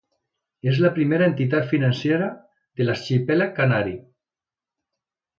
És la primera entitat financera de l'Arxipèlag Canari.